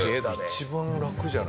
一番楽じゃない？